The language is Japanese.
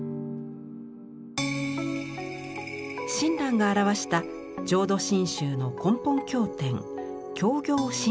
親鸞が著した浄土真宗の根本経典「教行信証」。